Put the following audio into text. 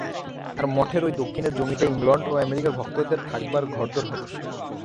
আর মঠের ঐ দক্ষিণের জমিটায় ইংলণ্ড ও আমেরিকার ভক্তদের থাকবার ঘর-দোর হবে।